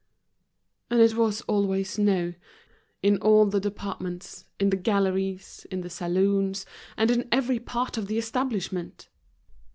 And it was always no, in all the departments, in the galleries, in the saloons, and in every part of the establishment!